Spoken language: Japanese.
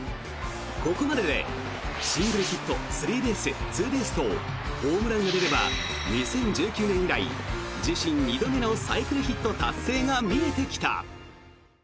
ここまででシングルヒットスリーベース、ツーベースとホームランが出れば２０１９年以来自身２度目のサイクルヒット達成が見えてきた。